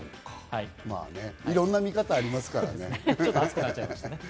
まあね、いろんな見方がありますからね。